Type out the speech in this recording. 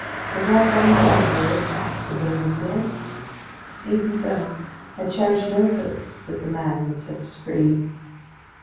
Was our presence on board perhaps a burden to him? Even so, I cherished no hopes that the man would set us free.